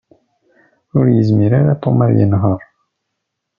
Ur yezmir ara Tom ad yenheṛ.